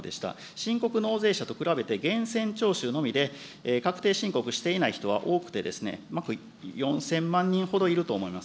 申告納税者と比べて、源泉徴収のみで確定申告していない人は多くて、約４０００万人ほどいると思います。